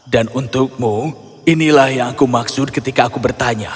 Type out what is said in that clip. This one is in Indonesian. dan untukmu inilah yang aku maksud ketika aku bertanya